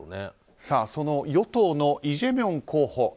その与党のイ・ジェミョン候補